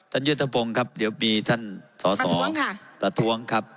ท่านยุทธภงครับเดี๋ยวมีท่านสอสอประท้วงค่ะประท้วงครับ